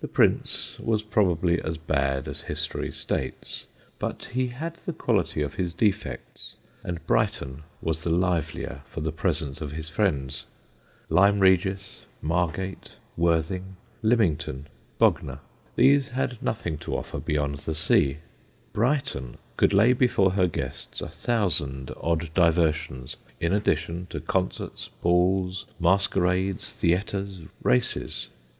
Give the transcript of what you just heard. The Prince was probably as bad as history states, but he had the quality of his defects, and Brighton was the livelier for the presence of his friends. Lyme Regis, Margate, Worthing, Lymington, Bognor these had nothing to offer beyond the sea. Brighton could lay before her guests a thousand odd diversions, in addition to concerts, balls, masquerades, theatres, races.